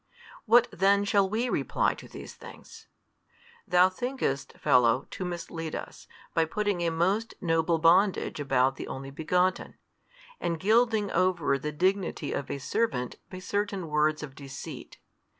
What then shall we reply to these things? Thou thinkest, fellow, to mislead us, by putting a most noble bondage about the Only Begotten, and gilding over the dignity of a servant by certain words of deceit.